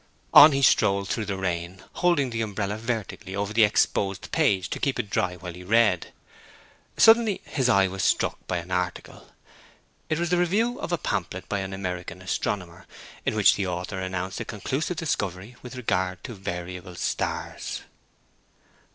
On he strolled through the rain, holding the umbrella vertically over the exposed page to keep it dry while he read. Suddenly his eye was struck by an article. It was the review of a pamphlet by an American astronomer, in which the author announced a conclusive discovery with regard to variable stars.